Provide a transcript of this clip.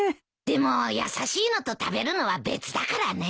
でも優しいのと食べるのは別だからね。